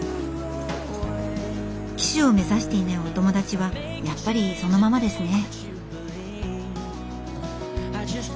騎手を目指していないお友達はやっぱりそのままですね。